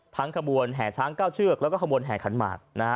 ทั้งคบวนแห่ช้างก้าวเชือกแล้วก็คบวนแห่ขันหมาก